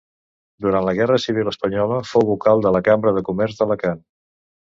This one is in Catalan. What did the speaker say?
Durant la guerra civil espanyola fou vocal de la Cambra de Comerç d'Alacant.